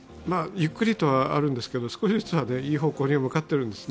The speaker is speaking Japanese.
ゆっくりではあるんですけど少しずついい方向にはあるってす。